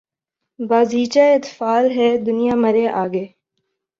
بازیچۂ اطفال ہے دنیا مرے آگے